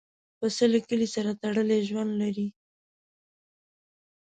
پسه له کلي سره تړلی ژوند لري.